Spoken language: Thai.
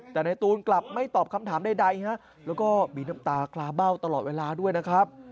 แต่ในตูนกลับไม่ตอบคำถามใดแล้วก็มีน้ำตาคลาเบ้าตลอดเวลาด้วยนะครับ